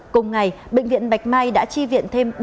cùng ngày bệnh viện bạch mai đã tri viện thêm